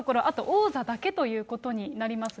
王座だけということになりますね。